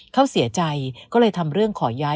เขาเสียใจก็เลยทำเรื่องขอย้าย